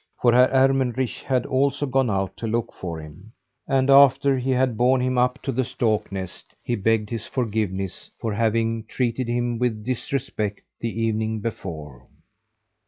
For Herr Ermenrich had also gone out to look for him; and after he had borne him up to the stork nest, he begged his forgiveness for having treated him with disrespect the evening before.